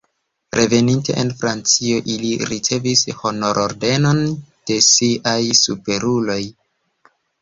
Reveninte en Francion, ili ricevis honor-ordenon de siaj superuloj.